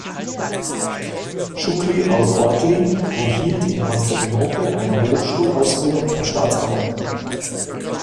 Schukri al-Quwatli erhielt in Konstantinopel eine Hochschulausbildung zum Staatsbeamten.